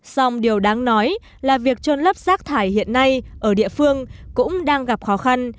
xong điều đáng nói là việc trôn lấp rác thải hiện nay ở địa phương cũng đang gặp khó khăn